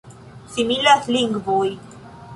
Similas lingvoj.